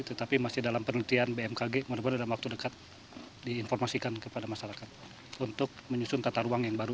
tetapi masih dalam penelitian bmkg mudah mudahan dalam waktu dekat diinformasikan kepada masyarakat untuk menyusun tata ruang yang baru